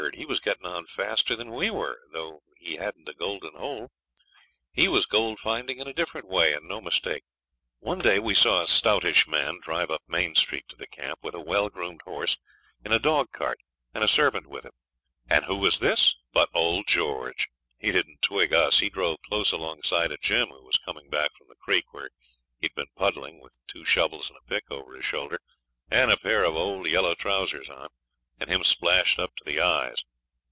he was getting on faster than we were, though he hadn't a golden hole. He was gold finding in a different way, and no mistake. One day we saw a stoutish man drive up Main Street to the camp, with a well groomed horse, in a dogcart, and a servant with him; and who was this but old George? He didn't twig us. He drove close alongside of Jim, who was coming back from the creek, where he'd been puddling, with two shovels and a pick over his shoulder, and a pair of old yellow trousers on, and him splashed up to the eyes.